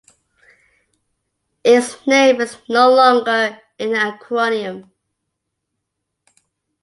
Its name is no longer an acronym.